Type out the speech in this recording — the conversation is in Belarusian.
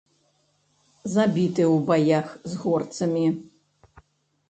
Забіты ў баях з горцамі.